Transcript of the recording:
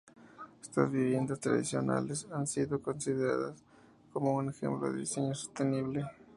Estas viviendas tradicionales han sido consideradas como un ejemplo de diseño sostenible.